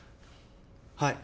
はい。